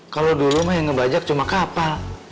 kalau dulu mah yang ngebajak cuma kapal